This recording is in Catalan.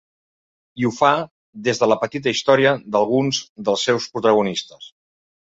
I ho fa des de la petita història d’alguns dels seus protagonistes.